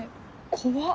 怖っ。